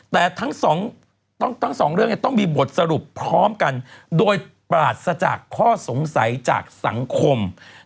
แต่ทั้งสองเรื่องต้องมีบทสรุปพร้อมกันโดยปราศจากข้อสงสัยจากสังคม